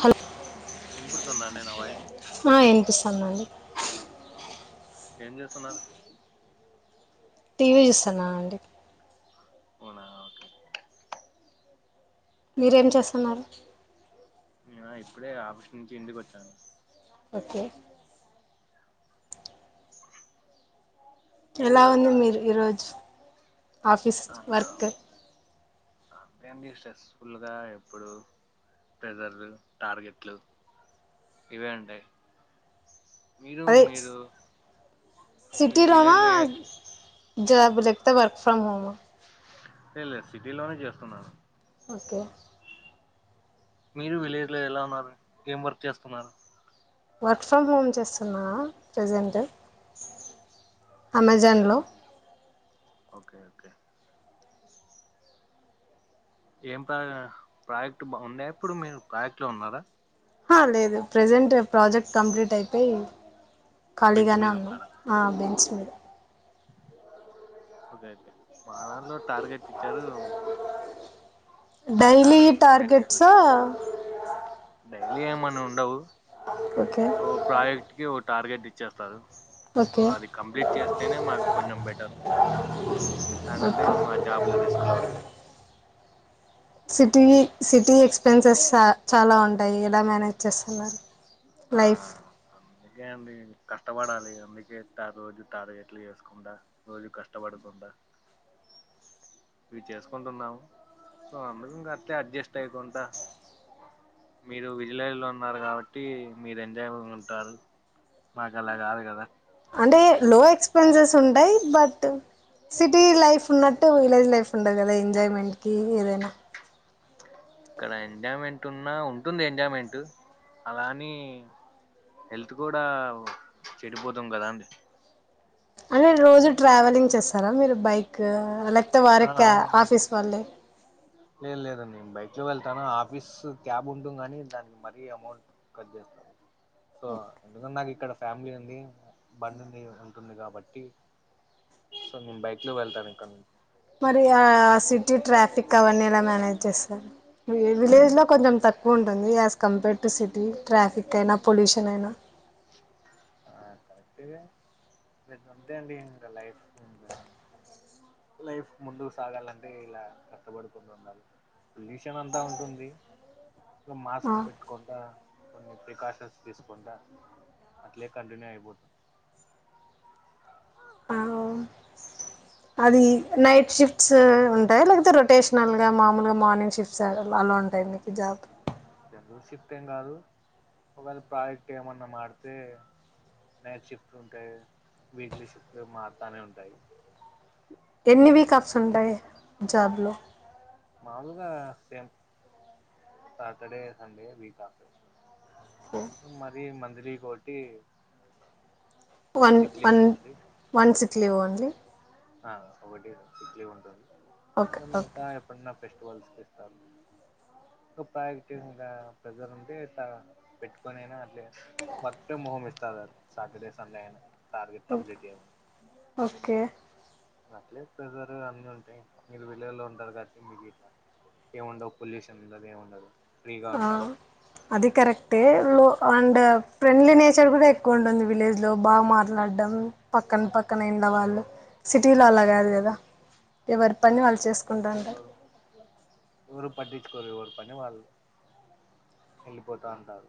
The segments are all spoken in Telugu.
హలో వినపడుతుందా అండి నా వాయిస్ ఆహ్ వినిపిస్తుందండి. ఏం చేస్తున్నారు. టీవీ చూస్తున్నా అండి. అవునా ఓకే. మీరేం చేస్తున్నారు. నేనా ఇప్పుడే ఆఫీస్ నుంచి ఇంటికి వచ్చాను. ఓకే మీరు ఎలా ఉంది ఎక్కడ మీరు ఈరోజు. ఆఫీస్ ఆ, వర్క్. అంతే అండి స్ట్రెస్ఫుల్గా ఎప్పుడు ప్రెజర్లు టార్గెట్లు ఇవే అంటాయి. అదే మీ సిటీలోన విలేజ్ లో లే జాబ్ లేకపోతే వర్క్ ఫ్రమ్ హోమ్ లే లేదు సిటీ లోనే చేస్తున్నాను. ఓకే మీరు విలేజ్ లో ఎలా ఉన్నారు. ఏం వర్క్ చేస్తున్నారు. వర్క్ ఫ్రమ్ హోమ్ చేస్తున్నా ప్రజెంట్. ఓకే అమెజాన్లో. వర్క్ ఓకే ఓకే ఏం ప్రా ప్రాజెక్ట్ బా ఉండే ఎప్పుడు మీరు ప్రాజెక్ట్ లో ఉన్నారా. ఆహ్ లేదు ప్రజెంట్ ప్రాజెక్ట్ కంప్లీట్ అయిపోయి. బెంచ్ ఖాళీగానే ఉన్న ఆహ్ బెంచ్. ఉమ్ ఒకేే మానలో టార్గెట్ ఇచ్చారు. ఆ డైలీ టార్గెట్ కంప్లీట్ చేయాలి టార్గెట్సా డైలీ ఏమన్నా ఉండవు ఓకే ఓ ప్రాజెక్ట్ కి ఓట్ టార్గెట్ ఇచ్చేస్తారు సో ఓకే అది కంప్లీట్ చేస్తేనే మాకు కొంచెం బెటర్ లేకుంటే ఓకే మా జాబ్లు రిస్క్ లో ఉంటాయి సిటీ సిటీ ఎక్స్పెన్సెస్ చ చాలా ఉంటాయి ఎలా మేనేజ్ చేస్తన్నారు ఆ అందుకే అండి కష్టపడాలి అందుకే తా రోజు టార్గెట్లు చేసుకుంటా రోజు కష్టపడకుండా ఇవి చేసుకుంటున్నాము సో అందకు ఇంక అట్లే అడ్జస్ట్ అయికుంటా మీరు విజలేలో ఉన్నారు కాబట్టి మీరు ఎంజాయ్ ఉంటారు నాకు అలా కాదు కదా అంటే లో ఎక్స్పెన్సెస్ ఉంటాయి బట్ సిటీ లైఫ్ ఉన్నట్టు విలేజ్ లైఫ్ ఉండదు కదా ఎంజాయ్మెంట్కి ఏదైనా ఇక్కడ ఎంజాయ్మెంట్ ఉన్నా ఉంటుంది ఎంజాయ్మెంట్ అలా ఆని హెల్త్ కూడా చెడిపోతాం కదా అండి అంటే రోజు ట్రావెలింగ్ చేస్తారా మీరు బైక్ లెక్ త ఆ వరక అవునండి ఆఫీస్ వాళ్ళే లేదు లేదండి నేను బైక్ లో వెళ్తాను ఆఫీస్ క్యాబ్ ఉంటుంది గానీ దానికి మరీ అమౌంట్ కట్ చేస్తారు సో ఎందుకన్ నాక్ ఇక్కడ ఫ్యామిలీ ఉంది బండి ఉంది ఉంటుంది కాబట్టి సో నేను బైక్ లో వెళ్తాను ఇక్కడ నుంచి మరి ఆ సిటీ ట్రాఫిక్ అవన్నీ ఇలా మ్యానేజ్ చేస్తారు విలేజ్లో కొంచెం తక్కువ ఉంటుంది as compare to city traffic అయినా పొల్యూషన్ అయినా ఆ కరెక్ట్గా లేంతే అండి ఇంకా లైఫ్ ఇంకా లైఫ్ ముందుకు సాగాలంటే ఇలా కష్టపడుకుంటూ ఉండాలి పొల్యూషన్ అంతా ఉంటుంది మాస్క్ పెట్టుకుంటా కొన్ని ప్రికాషన్స్ తీసుకుంటా అట్లే కంటిన్యూ అయిపోతు అది నైట్ షిఫ్ట్స్ ఉంటాయి లేకపోతే రొటేషనల్గా మామూలుగా మార్నింగ్ షిఫ్ట్స్ అలా ఉంటాయి మీకు జాబ్ జనరల్ షిఫ్ట్ ఏం కాదు ఒకవేళ ప్రాజెక్ట్ ఏమన్నా మారితే నైట్ షిఫ్ట్ ఉంటాయి వీక్లీ షిఫ్ట్ మారుతానే ఉంటాయి సో ఎన్ని షిఫ్ట్ని వీకప్స్ ఉంటాయి జాబ్లో మాముూలుగా సేమ్ సాటర్డే సండే వీకాఫ్ మరి మంత్ శ్రీికటి one one one sick clay only ఆ ఒకటి సిక్లీవ్ ఉంటుంది ఓకే న మీతా ఓకే ఎప్పుడున్న ఫెస్ట్ వసిపిస్తారు ప్రటి ప్రజర్ ఉంటే ఇలా పెట్టుకొనియినా లే work from home is Saturday Sunday అయినా టార్గెట్ ఓకే కంప్లీట్ చేయమని ఓకే అట్లే ప్రేజరు అన్నీ ఉంటాయి మీరు విలెజ్ లో ఉంటారు కాబట్టి మకు ఇట్లా ఏమ్ ఉండవు పొల్యూషన్ ఇ ఏమి ఉండదు ఫ్రీగా ఆ ఉంటారు అది కరెక్టే లో అండ్ ఫ్రెండ్లీ నేచర్ కూడా ఎక్కువ ఉంటుంది విలేజ్లో బాగా మాట్లాడ్డం పక్కన పక్కన ఇంళ వాళ్ళు సిటీలో అలా కాదు కదా ఎవరి ఆ పని వాళ్ళు చేసుకుంటూ ఉంటారు ఓరు పటి కోరు ఎవరి పని వాళ్ళు వెళ్ళిపోతా అంటారు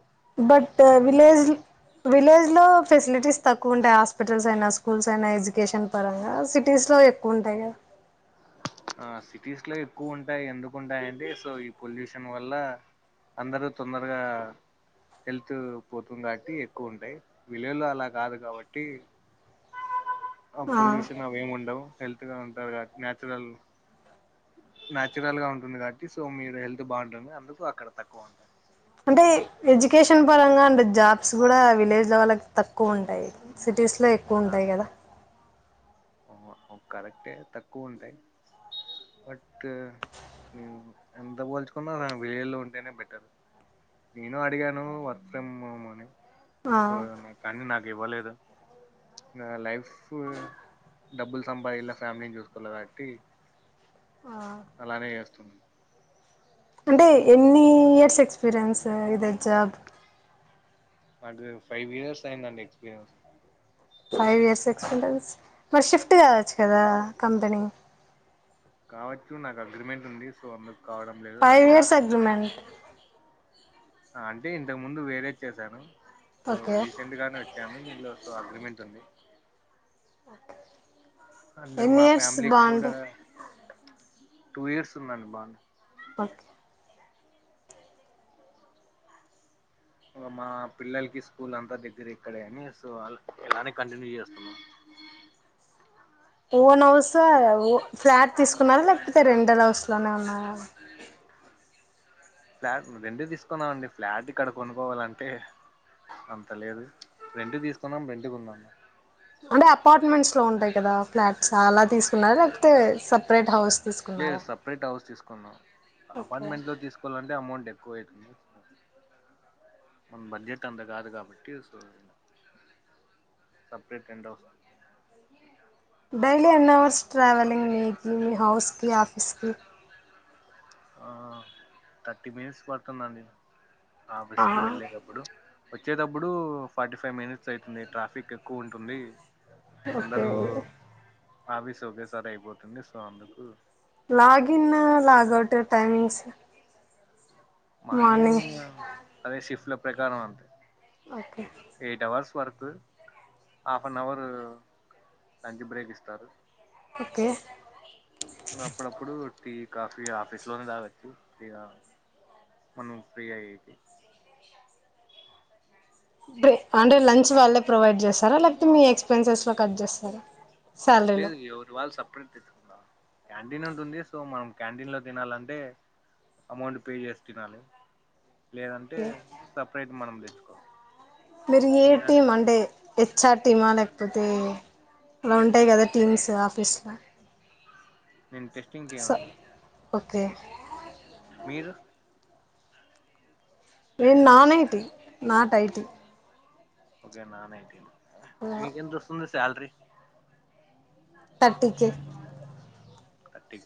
బట్ విలేజ్ విలేజ్ లో ఫెసిలిటీస్ తక్కువ ఉంటాయి హాస్పిటల్స్ అయినా స్కూల్స్ అయినా ఎడ్యుకే ఆ సిటీస్ లో ఎక్కువ ఉంటాయి ఎందుకుంటాయంటే సో ఈ పొల్యూషన్ వల్ల అందరూ తొందరగా హెల్త్ పోతుందాట్టి ఎక్కువ ఉంటాయి విలులు అలా కాదు కాబట్టి ఆ పొల్యూషన్ అవేము ఉండవు హెల్త్గా ఉంటారు కాట్ న్యాచురల్ నాచురల్ గా ఉంటుంది కాట్టి సో మీరు హెల్త్ బాగుంటుంది అందుకు అక్కడ తక్కువ ఉంటుంది అంటే ఎడ్యుకేషన్ పరంగా అంటే జాబ్స్ గూడా విలేజ్ లో వాలకి తక్కువ ఉంటాయి సిటీస్ లో లో ఎక్కువ ఆ ఉంటాయి కదా కరెక్టే తక్కువ ఉంటాయి బట్ ఎంత పోల్చుకున్నా వెలుల్లో ఉంటేనే బెటర్ నేను అడిగాను వర్క్ ఫ్రమ్ ఓమ్ అని ఆ సో కానీ నాక్ ఇవ్వలేదు ఇంగ లైఫ్ డబ్బులు సంపాఇయాల ఫ్యామిలీని చూసుకోఆల కాబట్టి అలానే చేస్తున్నా అంటే ఎన్నీ ఇయర్స్ ఎక్స్పీరియన్స్ ఇదే జాబ్ నాకు ఫైవ్ ఇయర్స్ అయిందిండి ఎక్స్పీరియన్స్ ఫైవ్ ఇయర్స్ ఎక్స్పీరియన్స్ మరి షిఫ్ట్ కావచ్చు కదా కంపెనీ కావచ్చు నాకు అగ్రిమెంట్ ఉంది సో అందుకు కావడం లేదు ఫైవ్ ఇయర్స్ అదిగాక అగ్రిమెంట్? ఆ అంటే ఇంతకు ముందు వేరేది చేసాను ఇప్పుడు ఓకే రీసెంట్ గానే వచ్చాను దీన్లో సో అగ్రిమెంట్ ఉంది అందు ఎన్ని మా ఇయర్స్ ఫ్యామిలీ బాండ్ కూడా టూ ఇయర్స్ ఉందండి బాండ్ పక్ మా పిల్లల్కి స్కూల్ అంతా దెగ్గర ఇక్కడే అని సో ఎలానే కంటిన్యూ చేస్తున్నా ఓన్ హౌస్ ఓ ఫ్లాట్ తీసుకున్నారా లేకపోతే రెంటల్ హౌస్ లోనే ఉన్నారా? ఫ్లాట్ రెంటు తీసుకున్నాం అండి ఫ్లాట్ ఇక్కడ కొనుకోవాలంటే అంత లేదు రెంటు తీసుకున్నాం రెంటు కున్నాం అంటే అపార్ట్మెంట్స్ లో ఉంటాయి కదా ప్లాట్స్ ఆ అలా తీసుకున్నారు లేకపోతే సపరేట్ హౌస్ లేదు తీసుకున్నారా సపరేట్ హౌస్ తీసుక్ కున్నాం ఓకే అపార్ట్మెంట్ లో తీసుకోవాలంటే అమౌంట్ ఎ ఎక్కువ అయితుంది స మన బడ్జెట్ అంత కాదు కాబట్టి so separate rent house daily ఎన్ అవర్స్ ట్రావెలింగ్ మీకి మీ హౌస్కి ఆఫీస్కి? ఆ ఆ థర్టీ మినిట్స్ పడుతుందండి ఆఫీస్ ఆ కి వెళ్ళేటప్పుడు వచ్చేటప్పుడు ఫార్టీ ఫైవ్ మినిట్స్ అవుతుంది ట్రాఫిక్ ఎక్కువ ఉంటుంది ఓకే ఆఫీసు ఒకేసారి అయిపోతుంది సో అందుకు login log out timings morning ఇగ అదే షిఫ్ట్ మార్నింగ్ లు ప్రకారం అంతేగ్యాప్ పాటు వారి సంఖ్య పెరుగుతుందని పెరిగిందని హ హక్కు ప్రకారం okay eight hours work half an hour lunch break ఇస్తారు ఓకే ఇగ అప్పుడప్పుడు టీ కాపీ ఆఫీస్ లోనే తాగచ్చు ఇగ మనకు ఫ్రీ ఏ ఇది దే అంటే లంచ్ వాళ్ళే ప్రొవైడ్ చేస్తారా లేకపోతే మీ ఎక్స్పెన్సెస్ లో కట్ చేస్తారా శాలరీ లో లేదు ఎవరి వాళ్ళు సపరేట్ తెచ్చుకుందాం క్యాంటీన్ ఉంటుంది సో మనం క్యాంటీన్లో తినాలంటే అమౌంట్ పే చేసి తినాలి లేదంటే ఓకే సపరేట్ మనం తెచ్చుకోవాలి ఏ మీరు టీం అంటే హెచ్ఆర్ టీమా లేకపోతే అలా ఉంటాయి కదా టీమ్స్ ఆఫీస్లో నేను టెస్టింగ్ టీమ్ సో అండి ఓకే మీరు నేను non IT not IT okay non IT మీకెంతొస్తుంది సాలరీ తటి కే తటి